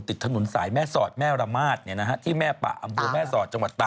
ปีหน้าเนอะใช้คำว่าสักครู่เหรอคะ